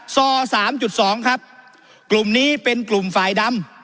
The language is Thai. ซอสามจุดสองครับกลุ่มนี้เป็นกลุ่มฝ่ายดำ